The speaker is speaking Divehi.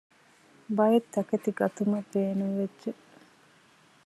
ބައެއްތަކެތި ގަތުމަށް ބޭނުންވެއްޖެ